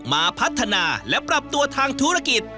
มาพัฒนาและปรับตัวทางธุรกิจ